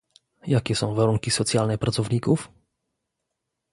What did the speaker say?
Jakie są warunki socjalne pracowników?